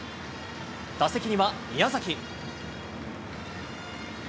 打席には宮崎。